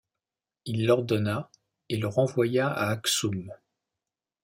Il l'ordonna et le renvoya à Aksoum.